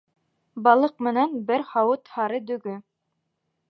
— Балыҡ менән бер һауыт һары дөгө.